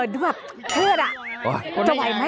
ดูแบบเครียดอ่ะจะไหวไหม